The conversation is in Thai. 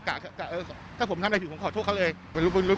ผมก็ถ้าผมทำได้ผิดผมขอโทษเขาเลย